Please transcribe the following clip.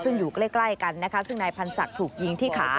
ซึ่งอยู่ใกล้กันนะคะซึ่งนายพันธ์ศักดิ์ถูกยิงที่ขา